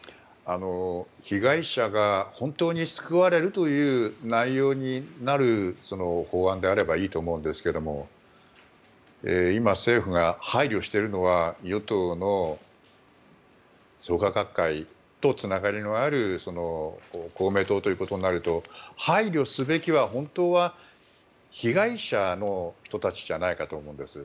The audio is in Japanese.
被害者が本当に救われるという内容になる法案であればいいと思うんですけど今、政府が配慮しているのは与党の創価学会とつながりのある公明党ということになると配慮すべきは本当は被害者の人たちじゃないかと思うんです。